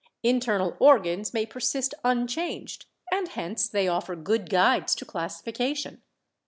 Internal organs may persist unchanged and hence they offer good guides to classification.